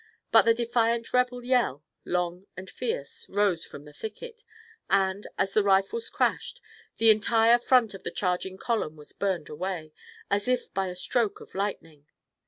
But the defiant rebel yell, long and fierce, rose from the thicket, and, as the rifles crashed, the entire front of the charging column was burned away, as if by a stroke of lightning.